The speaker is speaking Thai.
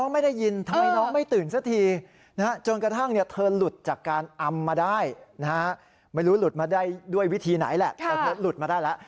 ไม่รู้หลุดมาได้ด้วยวิธีไหนแหละแต่หลุดมาได้แล้ว